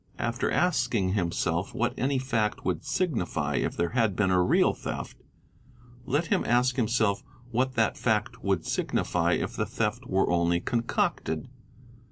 After asking himself what any fact would signify if there had been a real theft, let him ask himself what that fact would signify if the theft were only concocted.